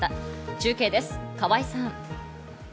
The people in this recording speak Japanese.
中継です、川合さん。